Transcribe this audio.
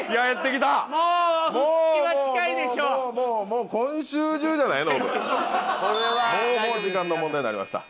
もうもう時間の問題になりました。